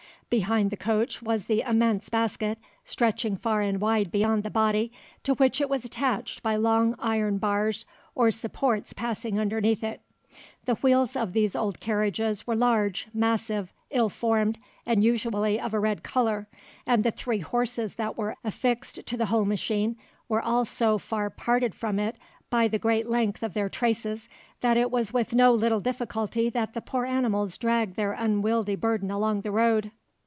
Behind the coach was the immense basket, stretching far and wide beyond the body, to which it was attached by long iron bars or supports passing beneath it. The wheels of these old carriages were large, massive, ill formed and usually of a red colour, and the three horses that were affixed to the whole machine were all so far parted from it by the great length of their traces that it was with no little difficulty that the poor animals dragged their unwieldly burden along the road."